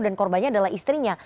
dan korbannya adalah istrinya